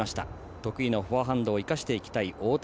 得意のフォアハンドを生かしていきたい大谷。